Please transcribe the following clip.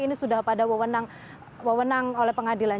ini sudah pada wewenang oleh pengadilan